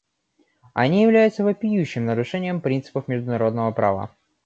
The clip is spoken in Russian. Они являются вопиющим нарушением принципов международного права.